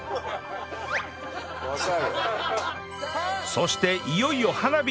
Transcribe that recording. そしていよいよ花火